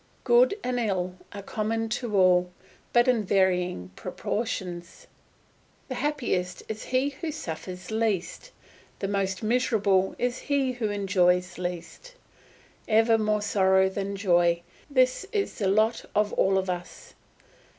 Good and ill are common to all, but in varying proportions. The happiest is he who suffers least; the most miserable is he who enjoys least. Ever more sorrow than joy this is the lot of all of us.